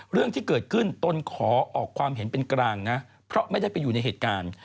เรื่องที่เกิดขึ้นตนขอออกความเห็นเป็นกลางนะเพราะไม่ได้ไปอยู่ในเหตุการณ์